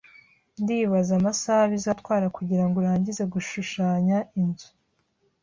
Ndibaza amasaha bizatwara kugirango urangize gushushanya inzu